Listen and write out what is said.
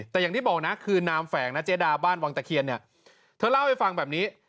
แต่อย่างที่บอกนะคือนามแฝงนะเจดาบ้านวังตะเคียนเนี่ยเธอเล่าให้ฟังแบบนี้